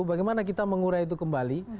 bagaimana kita mengurai itu kembali